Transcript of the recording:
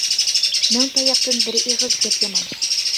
مىڭ تاياقتىن بىر ئېغىز گەپ يامان.